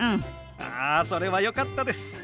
あそれはよかったです。